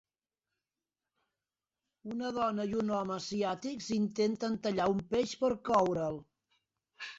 Una dona i un home asiàtics intenten tallar un peix per coure'l.